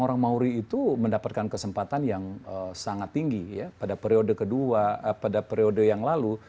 orang mauri itu mendapatkan kesempatan yang sangat tinggi ya pada periode kedua pada periode yang lalu